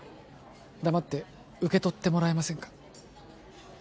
黙って受け取ってもらえませんか？